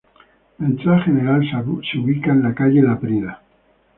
La entrada general se ubica en la calle Laprida.